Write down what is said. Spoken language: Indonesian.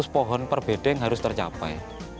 empat ratus pohon per bedeng harus tercapai